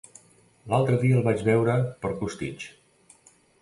L'altre dia el vaig veure per Costitx.